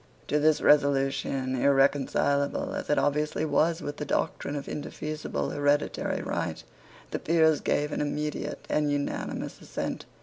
To this resolution, irreconcilable as it obviously was with the doctrine of indefeasible hereditary right, the Peers gave an immediate and unanimous assent.